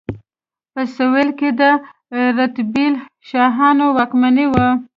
په سویل کې د رتبیل شاهانو واکمني وه.